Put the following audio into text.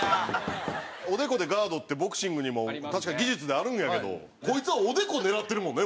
おでこでガードってボクシングにも確かに技術であるんやけどこいつはおでこ狙ってるもんね